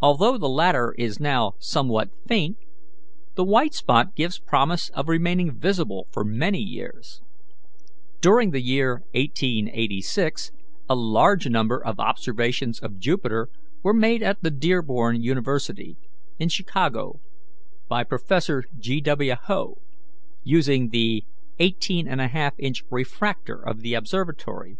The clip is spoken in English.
Although the latter is now somewhat faint, the white spot gives promise of remaining visible for many years. During the year 1886 a large number of observations of Jupiter were made at the Dearborn Observatory, Chicago, U. S., by Prof. G. W. Hough, using the eighteen and a half inch refractor of the observatory.